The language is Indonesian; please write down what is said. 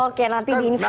oke nanti diinsafkan